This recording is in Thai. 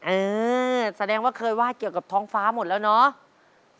เออแสดงว่าเคยไห้เกี่ยวกับท้องฟ้าหมดแล้วเนาะ